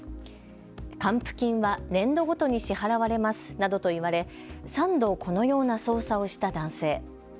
還付金は年度ごとに支払われますなどと言われ３度、このような操作をした男性。